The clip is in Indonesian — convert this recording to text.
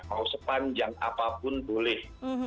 mau sepanjang apapun boleh